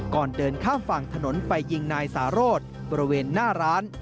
ก่อนเดินข้ามฝั่งถนนไปยิงนายสาโรธบริเวณหน้าร้าน